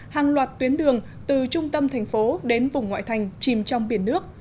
hàng loạt tuyến đường từ trung tâm thành phố đến vùng ngoại thành chìm trong biển nước